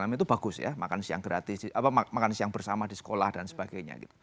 itu bagus ya makan siang bersama di sekolah dan sebagainya